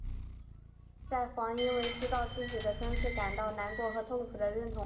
在煌因为知道自己的身世感到难过和痛苦时认同了煌的存在。